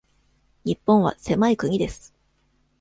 日本は狭い国です。